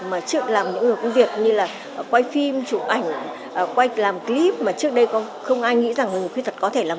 mà trước làm những cái việc như là quay phim chụp ảnh quay làm clip mà trước đây không ai nghĩ rằng người khuyết tật có thể làm